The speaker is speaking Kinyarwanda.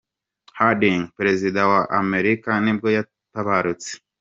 Harding, perezida wa wa Amerika nibwo yatabarutse.